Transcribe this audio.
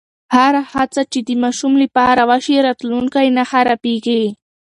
هره هڅه چې د ماشوم لپاره وشي، راتلونکی نه خرابېږي.